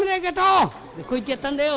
こう言ってやったんだよ。